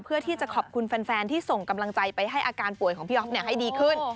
เพื่อที่จะขอบคุณแฟนที่ส่งกำลังใจไปให้อาการป่วยของพี่อ๊อฟให้ดีขึ้น